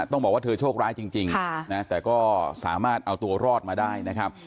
ต้องบอกว่าเธอโชคร้ายจริงแต่ก็สามารถเอาตัวรอดมาได้นะครับ